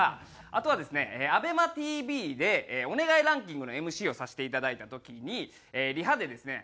あとはですねＡＢＥＭＡＴＶで『お願い！ランキング』のＭＣをさせていただいた時にリハでですね